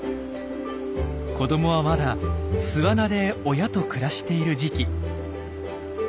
子どもはまだ巣穴で親と暮らしている時期。